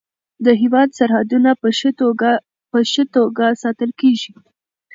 د هیواد سرحدونه په ښه توګه ساتل کیږي.